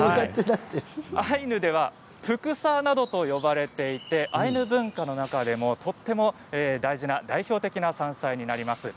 アイヌではプクサなどと呼ばれていてアイヌ文化の中でもとても大事な代表的な山菜になります。